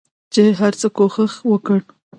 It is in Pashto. چې هرڅه کوښښ وکړ